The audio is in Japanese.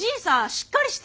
しっかりして。